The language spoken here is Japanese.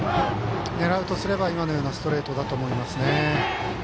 狙うとすればさっきのようなストレートだと思います。